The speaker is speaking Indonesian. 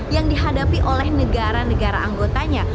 yang dihadapi oleh negara negara anggotanya